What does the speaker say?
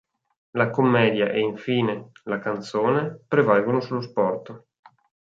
La commedia e, infine, la canzone, prevalgono sullo sport.